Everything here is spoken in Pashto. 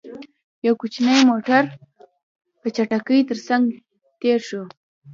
يو کوچينی موټر، په چټکۍ تر څنګ تېر شو.